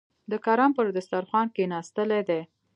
د کرم پر دسترخوان کېناستلي دي.